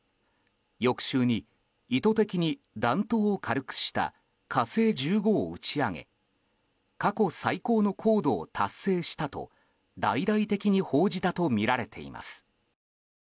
翌週に意図的に弾頭を軽くした「火星１５」を打ち上げ過去最高の高度を達成したと大々的に報じたとみられています。